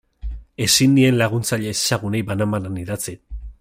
Ezin nien laguntzaile ezezagunei banan-banan idatzi.